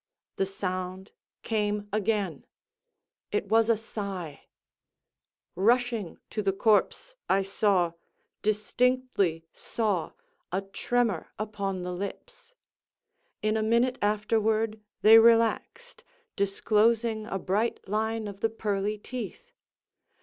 The sound came again—it was a sigh. Rushing to the corpse, I saw—distinctly saw—a tremor upon the lips. In a minute afterward they relaxed, disclosing a bright line of the pearly teeth.